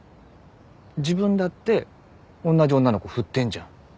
自分だっておんなじ女の子振ってんじゃん。